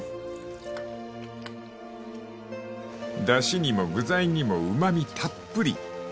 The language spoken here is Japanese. ［だしにも具材にもうま味たっぷり］